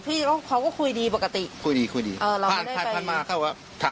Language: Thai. ซึ่งก็อยู่ไม่ได้ไกลจากตรงนั้น